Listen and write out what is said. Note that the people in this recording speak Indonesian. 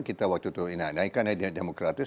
kita waktu itu nah ini kan demokratis